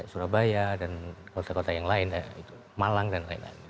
surabaya dan kota kota yang lain malang dan lain lain